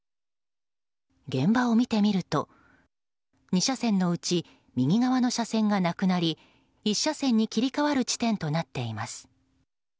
現場を見てみると２車線のうち右側の車線がなくなり１車線に切り替わる地点となっています。